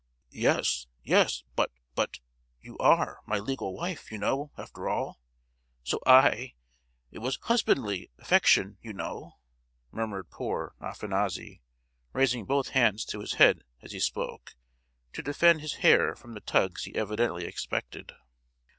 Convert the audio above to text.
"Yes—yes,—but—but, you are my legal wife, you know, after all;—so I—it was husbandly affection you know——" murmured poor Afanassy, raising both hands to his head as he spoke, to defend his hair from the tugs he evidently expected.